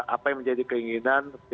apa yang menjadi keinginan